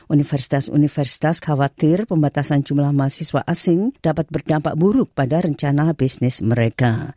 universitas universitas khawatir pembatasan jumlah mahasiswa asing dapat berdampak buruk pada rencana bisnis mereka